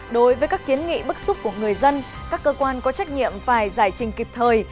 đối với các kiến nghị bức xúc của người dân các cơ quan có trách nhiệm phải giải trình kịp thời